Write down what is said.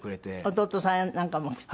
弟さんやなんかも来て？